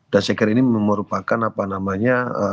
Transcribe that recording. dan saya kira ini merupakan apa namanya